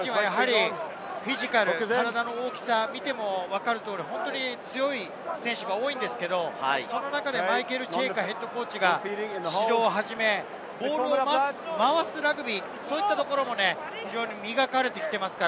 フィジカル、体の大きさ、見ても分かる通り、本当に強い選手が多いんですけれど、マイケル・チェイカＨＣが指導をはじめ、ボールを回すラグビー、そういったところも磨かれてきています。